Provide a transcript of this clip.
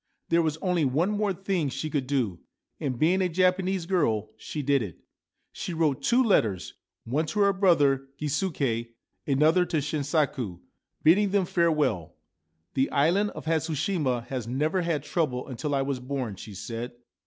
There was only one more thing she could do, and, being a Japanese girl, she did it. She wrote two letters, one to her brother Gisuke, another to Shinsaku, bidding 'them farewell. ' The island of Hatsushima has never had trouble until I was born/ she said.